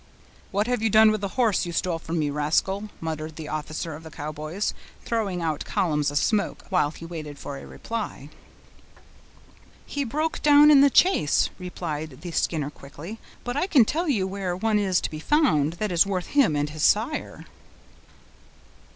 "What have you done with the horse you stole from me, rascal?" muttered the officer of the Cowboys, throwing out columns of smoke while he waited for a reply. "He broke down in the chase," replied the Skinner quickly; "but I can tell you where one is to be found that is worth him and his sire."